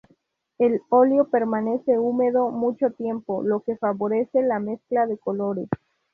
El óleo permanece húmedo mucho tiempo, lo que favorece la mezcla de colores.